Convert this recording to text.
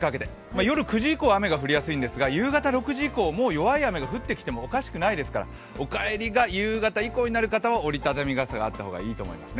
夜９時以降、雨が降りやすいんですが夕方６時以降もう弱い雨が降ってきてもおかしくないですから、お帰りが夕方以降になる方は折り畳み傘があった方がいいですね。